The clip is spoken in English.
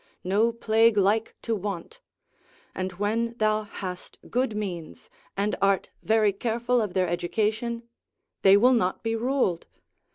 No plague like to want: and when thou hast good means, and art very careful of their education, they will not be ruled.